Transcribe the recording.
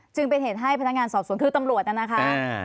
จึงเป็นเหตุให้พนักงานสอบสวนคือตำรวจน่ะนะคะ